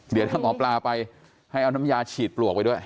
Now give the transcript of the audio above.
เดี๋ยวถ้าหมอปลาไปให้เอาน้ำยาฉีดปลวกไปด้วย